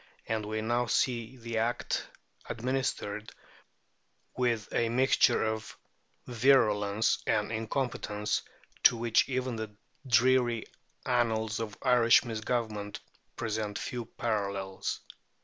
And we now see this Act administered with a mixture of virulence and incompetence to which even the dreary annals of Irish misgovernment present few parallels.